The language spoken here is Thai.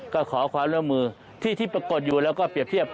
ก็ขอความร่วมมือที่ที่ปรากฏอยู่แล้วก็เปรียบเทียบ